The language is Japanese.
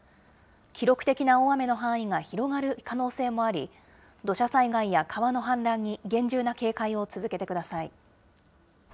記録的な大雨の範囲が広がる可能性もあり、土砂災害や川の氾濫に厳重な警戒を続けてください。